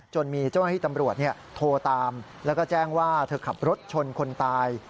จนมีเจ้าหน้าที่ตำรวจโทรตามแล้วก็แจ้งว่าเธอขับรถชนคนตาย